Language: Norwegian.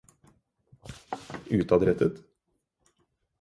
utadrettet